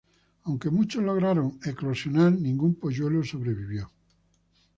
Aunque muchos lograron eclosionar, ningún polluelo sobrevivió.